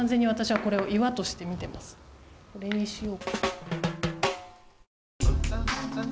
これにしよう。